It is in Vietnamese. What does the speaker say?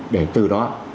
để từ đó